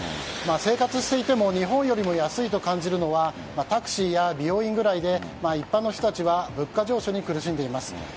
生活していても日本よりも安いと感じるのはタクシーや美容院くらいで一般の人たちは物価上昇に苦しんでいます。